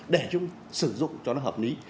để chúng sử dụng cho nó hợp lý